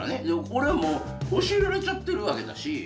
俺はもう教えられちゃってるわけだし。